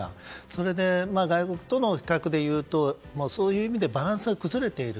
それで外国との比較でいうとそういう意味でバランスは崩れている。